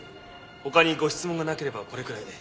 他にご質問がなければこれくらいで。